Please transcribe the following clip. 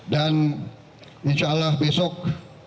dan insyaallah besok